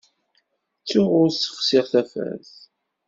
Ttuɣ ur ssexsiɣ tafat.